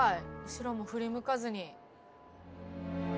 後ろも振り向かずに。